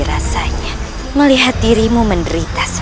aku masih ingin menyiksa